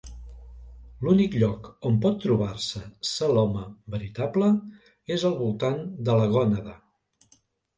L'únic lloc on pot trobar-se celoma veritable és al voltant de la gònada.